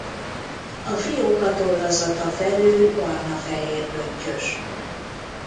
A fióka tollazata felül barna-fehér pöttyös.